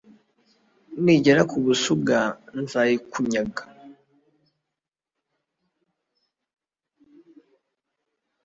nigera mu busuga nzayikunyaga